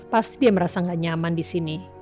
pasti dia merasa gak nyaman disini